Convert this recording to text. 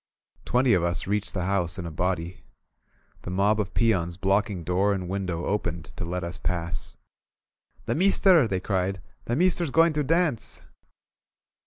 Twenty of us reached the house in a body. The mob of peons blocking door and window opened to let us pass. "The meester!" they cried. "The meester's going to dance!"